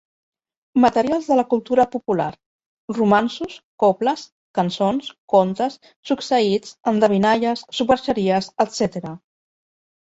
Materials de la cultura popular: romanços, cobles, cançons, contes, succeïts, endevinalles, superxeries, etcètera.